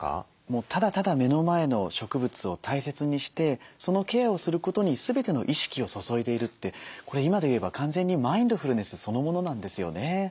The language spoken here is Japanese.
もうただただ目の前の植物を大切にしてそのケアをすることに全ての意識を注いでいるってこれ今で言えば完全にマインドフルネスそのものなんですよね。